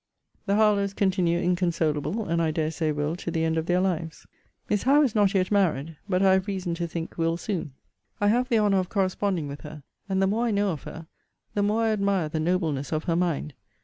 The Harlowes continue inconsolable; and I dare say will to the end of their lives. Miss Howe is not yet married; but I have reason to think will soon. I have the honour of corresponding with her; and the more I know of her, the more I admire the nobleness of her mind.